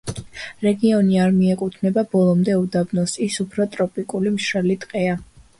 რეგიონი არ მიეკუთვნება ბოლომდე უდაბნოს, ის უფრო ტროპიკული მშრალი ტყეა.